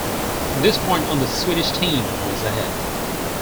From this point on the Swedish team was ahead.